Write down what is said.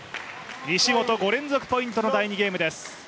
西本、５連続ポイントの第２ゲーム。